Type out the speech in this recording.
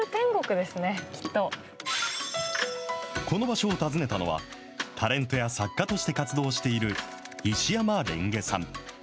この場所を訪ねたのは、タレントや作家として活動している石山蓮華さん。